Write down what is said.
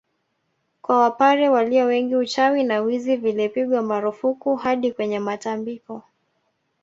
Kwa wapare walio wengi uchawi na wizi vilipigwa marufuku hadi kwenye matambiko